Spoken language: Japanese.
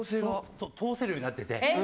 通せるようになってて。